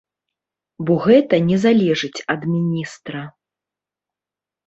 Бо гэта не залежыць ад міністра.